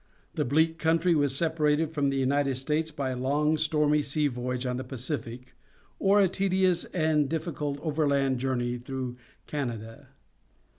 That bleak country was separated from the United States by a long, stormy sea voyage on the Pacific, or a tedious and difficult overland journey through Canada.